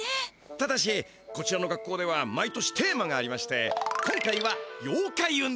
ただしこちらの学校では毎年テーマがありまして今回は「ようかい運動会」なんです。